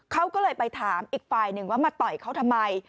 เขาก็เลยไปถามอีกฝ่ายหนึ่งว่ามาต่อยเขาทำไม